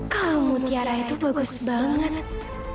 kamu mutiara itu bagus banget